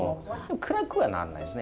暗くはなんないですね